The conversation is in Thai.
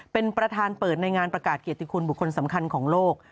เป็นประธานเปิดในงานประกาศเกียรติคุณบุคคลสำคัญของโลก